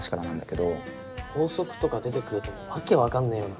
法則とか出てくると訳分かんねえよな。